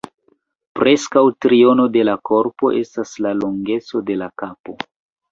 Preskaŭ triono de la korpo estas la longeco de la kapo.